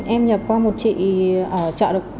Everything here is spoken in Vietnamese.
em nhập qua một chị ở chợ đồng đăng ạ